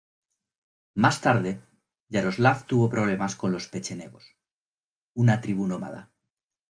Más tarde Yaroslav tuvo problemas con los pechenegos, una tribu nómada.